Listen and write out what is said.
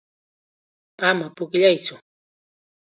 Ama pukllaytsu.